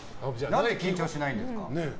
何で緊張しないんですか？